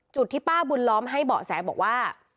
ที่ป้าบุญล้อมให้เบาะแสบอกว่า